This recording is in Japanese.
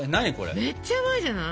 めっちゃうまいじゃない！